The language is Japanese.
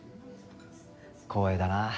光栄だなあ